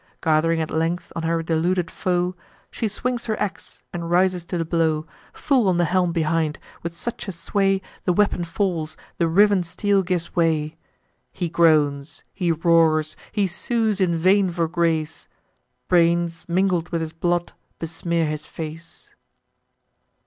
Gath'ring at length on her deluded foe, She swings her ax, and rises to the blow Full on the helm behind, with such a sway The weapon falls, the riven steel gives way: He groans, he roars, he sues in vain for grace; Brains, mingled with his blood, besmear his face.